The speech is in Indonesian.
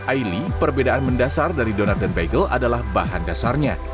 aili perbedaan mendasar dari donat dan bagel adalah bahan dasarnya